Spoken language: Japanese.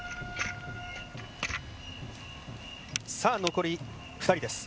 残り２人です。